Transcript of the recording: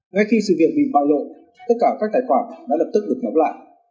ngay khi sự việc bị bạo lộ tất cả các tài khoản đã lập tức được nhóm lại